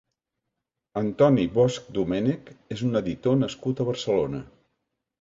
Antoni Bosch-Domènech és un editor nascut a Barcelona.